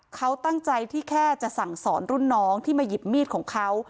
เขาตั้งใจที่แค่จะสั่งสอนรุ่นน้องที่มาหยิบมีดของเขา